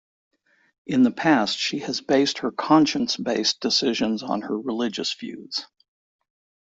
In the past she has based her conscience-based decisions on her religious views.